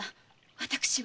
私は。